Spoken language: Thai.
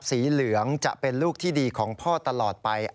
สีเหลืองจะเป็นลูกที่ดีของพ่อตลอดไป